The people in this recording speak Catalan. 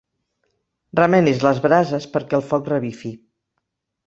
Remenis les brases perquè el foc revifi.